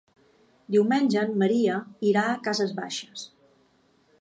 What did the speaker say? Diumenge en Maria irà a Cases Baixes.